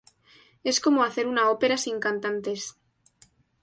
Es como hacer una ópera sin cantantes.